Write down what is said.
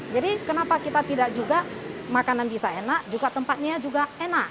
jadi kenapa kita tidak juga makanan bisa enak juga tempatnya juga enak